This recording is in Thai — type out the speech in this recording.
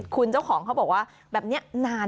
คุณเจ้าของเขาบอกว่าแบบนี้นาน